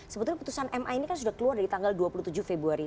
sebetulnya putusan ma ini kan sudah keluar dari tanggal dua puluh tujuh februari